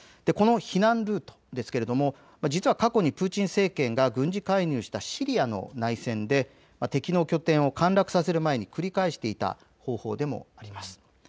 避難ルートですけれども実は過去にプーチン政権が軍事介入したシリアの内戦で敵の拠点を陥落させる前に繰り返していた方法でもあります。